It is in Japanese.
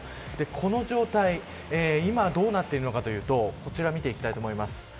この状態、今どうなっているかというとこちらを見ていきます。